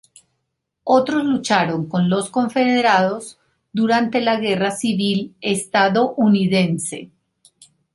Otros lucharon con los confederados durante la Guerra Civil Estadounidense.